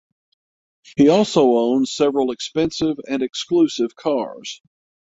He also owns several expensive and exclusive cars.